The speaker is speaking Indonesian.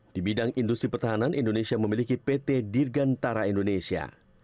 di bidang industri pertahanan indonesia memiliki pt dirgantara indonesia